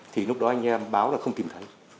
thì lúc đó anh em báo là không tìm thấy